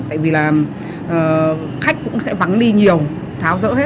tại vì là khách cũng sẽ vắng đi nhiều tháo rỡ hết